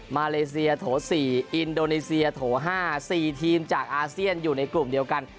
มาเลเซียโถ๔อินโดนีเซียโถ๕๔ทีมจากอาเซียนอยู่ในกลุ่มเดียวกัน